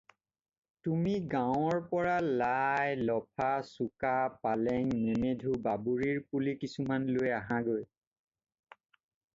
তুমি গাঁৱৰ পৰা লাই, লফা, চুকা, পালেং, মেমেধু, বাবৰিৰ পুলি কিছুমান লৈ আহাঁগৈ।